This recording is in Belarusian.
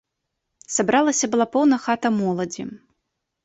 Сабралася была поўна хата моладзі.